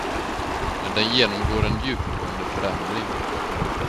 Men den genomgår en djupgående förändring.